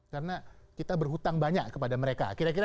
karena kita berhutang banyak kepada mereka